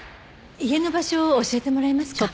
家の場所教えてもらえますか？